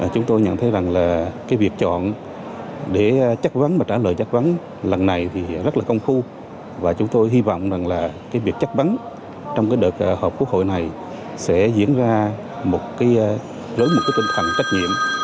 chúng tôi nhận thấy rằng là cái việc chọn để chất vấn và trả lời chất vấn lần này thì rất là công phu và chúng tôi hy vọng rằng là cái việc chất vấn trong cái đợt họp quốc hội này sẽ diễn ra với một cái tinh thần trách nhiệm